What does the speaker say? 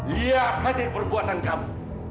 lihat hasil perbuatan kamu